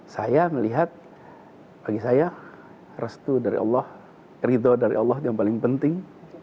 saya melihat bagi saya restu dari allah ridho dari allah yang paling penting